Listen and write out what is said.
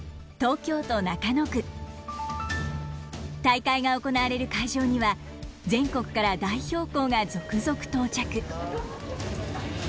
大会が行われる会場には全国から代表校が続々到着。